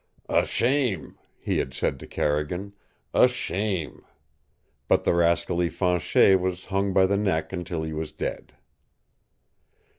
"A shame!" he had said to Carrigan. "A shame!" But the rascally Fanchet was hung by the neck until he was dead.